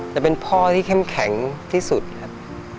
แต่เป็นพ่อที่เข้มแข็งที่สุดครับ